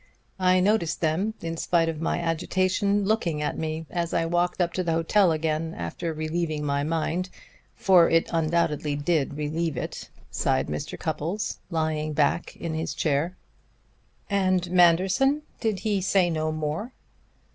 I noticed them, in spite of my agitation, looking at me as I walked up to the hotel again after relieving my mind for it undoubtedly did relieve it," sighed Mr. Cupples, lying back in his chair. "And Manderson? Did he say no more?"